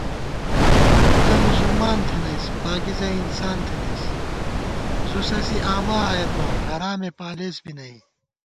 تُوتہ مُسلمان تھنَئیس پاگِزہ انسان تھنَئیس * زُوسَسی آمہ ائیت بہ حرامےپالېس بی نئ